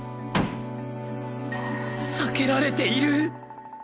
避けられている！